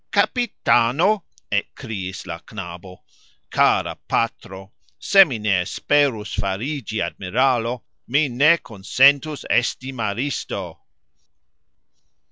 " Kapitano!" ekkriis la knabo. "Kara patro, se mi ne esperus farigxi admiralo, mi ne konsentus esti maristo."